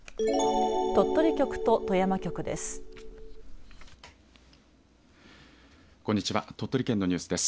鳥取局と富山局です。